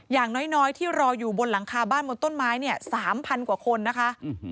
อย่างน้อยที่รออยู่บนหลังคาบ้านบนต้นไม้เนี่ย๓๐๐กว่าคนนะคะ